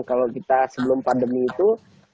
kalau kita sebelum pandemi itu